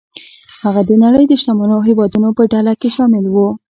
هغه د نړۍ د شتمنو هېوادونو په ډله کې شامل و.